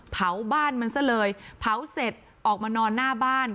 เผาบ้านมันซะเลยเผาเสร็จออกมานอนหน้าบ้าน